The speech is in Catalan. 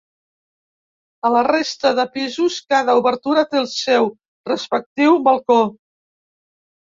A la resta de pisos, cada obertura té el seu respectiu balcó.